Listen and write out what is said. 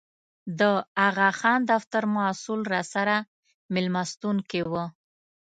د اغاخان دفتر مسوول راسره مېلمستون کې و.